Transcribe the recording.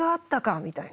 みたいな。